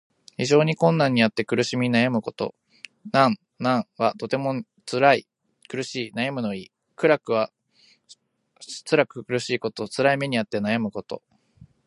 非常な困難にあって苦しみ悩むこと。「艱」「難」はともにつらい、苦しい、悩むの意。「辛苦」はつらく苦しいこと。つらい目にあって悩むこと。